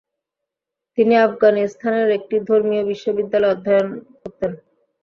তিনি আফগানিস্তানের একটি ধর্মীয় বিদ্যালয়ে অধ্যয়ন করতেন।